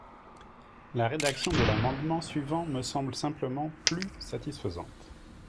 La rédaction de l’amendement suivant me semble simplement plus satisfaisante.